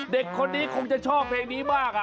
เด็กคนนี้คงจะชอบเพลงนี้มาก